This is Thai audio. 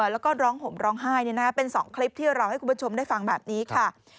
แล้วก็ร้องห่มร้องไห้เป็น๒คลิปที่เราให้คุณผู้ชมได้ฟังแบบนี้ค่ะ